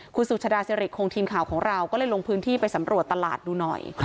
คุณสุชาดาสิริคงทีมข่าวของเราก็เลยลงพื้นที่ไปสำรวจตลาดดูหน่อย